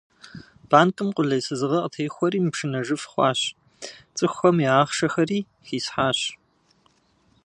Банкым къулейсызыгъэ къытехуэри мыпшынэжыф хъуащ, цӏыхухэм я ахъшэхэри хисхьащ.